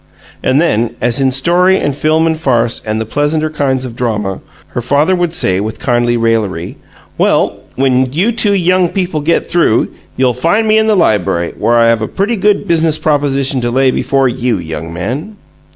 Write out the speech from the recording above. And then, as in story and film and farce and the pleasanter kinds of drama, her father would say, with kindly raillery, "Well, when you two young people get through, you'll find me in the library, where I have a pretty good BUSINESS proposition to lay before YOU, young man!"